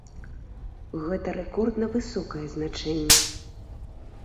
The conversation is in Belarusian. Гэта рэкордна высокае значэнне.